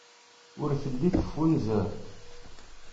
Ur telli teffunzer.